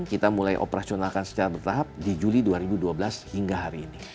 kita mulai operasionalkan secara bertahap di juli dua ribu dua belas hingga hari ini